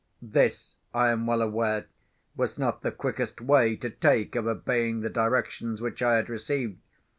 This, I am well aware, was not the quickest way to take of obeying the directions which I had received.